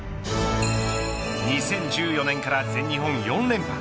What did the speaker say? ２０１４年から全日本４連覇。